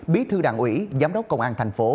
bí thư đảng ủy giám đốc công an thành phố